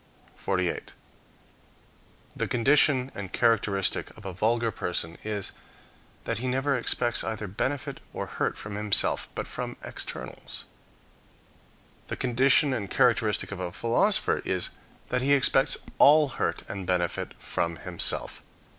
48. The condition and characteristic of a vulgar person, is, that he never expects either benefit or hurt from himself, but from externals. The condition and characteristic of a philosopher is, that he expects all hurt and benefit from himself.